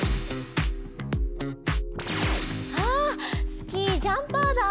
スキージャンパーだ！